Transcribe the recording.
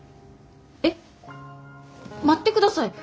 えっ待ってください。